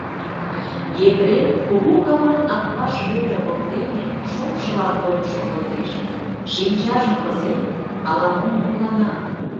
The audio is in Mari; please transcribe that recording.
Епрем кугу капан Атбаш Вӧдыр воктене шоҥшыла койын шогылтеш, шинчажым пызен, ала-мом мутлана.